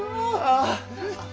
ああ！